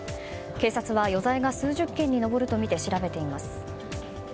警察は余罪が数十件に上るとみて調べています。